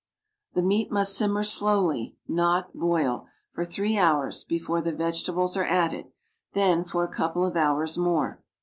The meat must simmer slowly, not boil, for three hours before the vegetables are added, then for a couple of hours more.